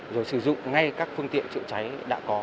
rồi sử dụng ngay các phương tiện chữa cháy đã có